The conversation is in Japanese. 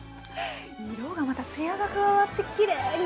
色がまた艶が加わってきれいになりましたね